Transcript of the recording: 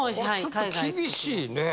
ちょっと厳しいねぇ。